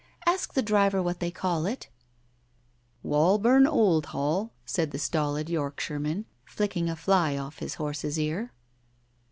... Ask the driver what they call it ?" "Wallburn Old Hall," said the stolid Yorkshireman, flicking a fly off his horse's ear.